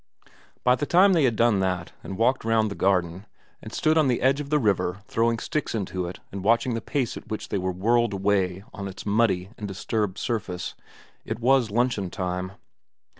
By the time they had done that, and walked round the garden, and stood on the edge of the river throwing sticks into it and watching the pace at which they were whirled away on its muddy and disturbed surface, it was luncheon time.